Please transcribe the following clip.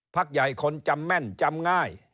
พักใหญ่คนจำแม่นจำง่าย